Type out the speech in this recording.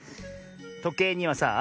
とけいにはさあ